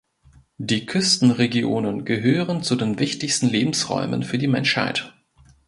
Die Küstenregionen gehören zu den wichtigsten Lebensräumen für die Menschheit.